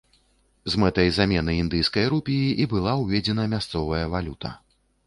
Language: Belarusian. З мэтай замены індыйскай рупіі і была ўведзена мясцовая валюта.